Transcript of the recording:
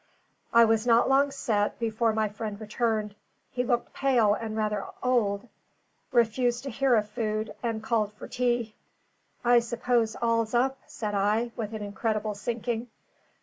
I was not long set, before my friend returned. He looked pale and rather old, refused to hear of food, and called for tea. "I suppose all's up?" said I, with an incredible sinking.